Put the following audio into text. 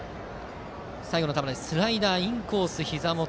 最後の球はスライダーインコース、ひざ元。